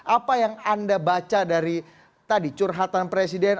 apa yang anda baca dari tadi curhatan presiden